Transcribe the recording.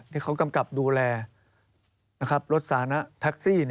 ที่เขากำกับดูแลรถสาธารณะแท็กซี่